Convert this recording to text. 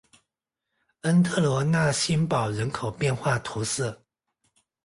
恩特罗讷新堡人口变化图示